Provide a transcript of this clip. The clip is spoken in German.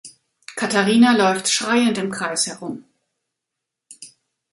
Katharina läuft schreiend im Kreis herum.